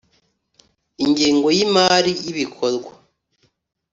Ingengo y Imari y ibikorwa